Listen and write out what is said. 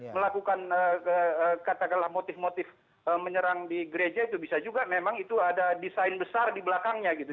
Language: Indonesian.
melakukan katakanlah motif motif menyerang di gereja itu bisa juga memang itu ada desain besar di belakangnya gitu